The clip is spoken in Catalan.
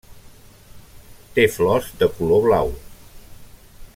Té flors de color blau.